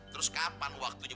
terus kapan waktunya